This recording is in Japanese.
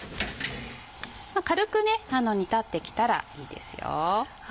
軽く煮立ってきたらいいですよ。